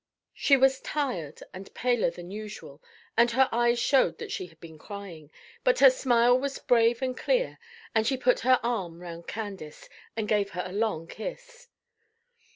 She was tired and paler than usual, and her eyes showed that she had been crying; but her smile was brave and clear as she put her arm round Candace, and gave her a long kiss.